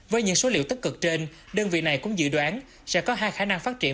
với những số liệu tích cực trên đơn vị này cũng dự đoán sẽ có hai khả năng phát triển